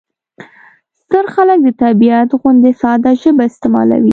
ستر خلک د طبیعت غوندې ساده ژبه استعمالوي.